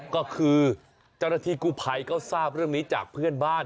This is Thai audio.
ก็คือเจ้าหน้าที่กู้ภัยก็ทราบเรื่องนี้จากเพื่อนบ้าน